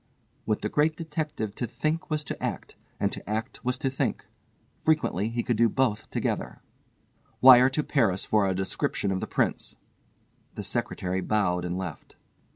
With the Great Detective to think was to act, and to act was to think. Frequently he could do both together. "Wire to Paris for a description of the Prince." The secretary bowed and left.